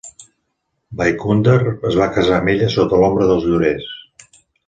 Vaikundar es va casar amb ella sota l'ombra dels llorers.